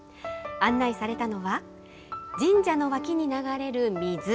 案内されたのは、神社の脇に流れる水。